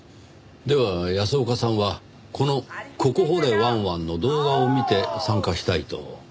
では安岡さんはこのここ掘れワンワンの動画を見て参加したいと？